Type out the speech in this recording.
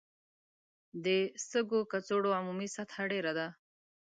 د سږو کڅوړو عمومي سطحه ډېره ده.